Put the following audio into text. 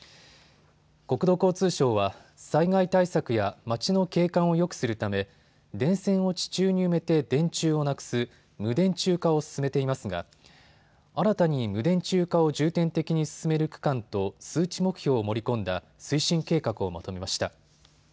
国土交通省は災害対策や街の景観をよくするため電線を地中に埋めて電柱をなくす無電柱化を進めていますが新たに無電柱化を重点的に進める区間と数値目標を盛り込んだ推進計画をまとめました。